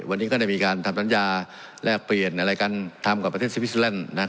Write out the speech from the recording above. วันนี้ก็ได้มีการทำสัญญาแลกเปลี่ยนอะไรกันทำกับประเทศสวิสแลนด์